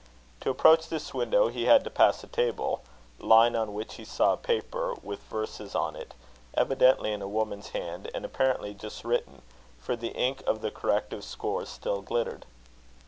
To approach this window he had to pass a table, lying on which he saw a paper with verses on it, evidently in a woman's hand, and apparently just written, for the ink of the corrective scores still glittered.